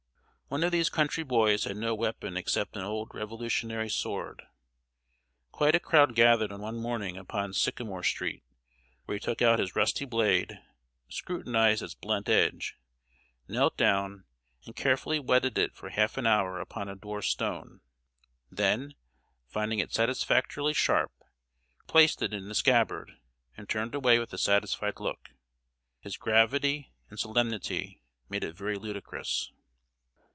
One of these country boys had no weapon except an old Revolutionary sword. Quite a crowd gathered one morning upon Sycamore street, where he took out his rusty blade, scrutinized its blunt edge, knelt down, and carefully whetted it for half an hour upon a door stone; then, finding it satisfactorily sharp, replaced it in the scabbard, and turned away with a satisfied look. His gravity and solemnity made it very ludicrous.